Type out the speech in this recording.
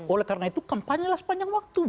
oleh karena itu kampanye lah sepanjang waktu